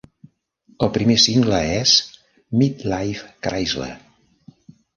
El primer single és "Mid-Life Chrysler".